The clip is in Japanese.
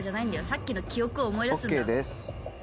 さっきの記憶を思い出すんだＯＫです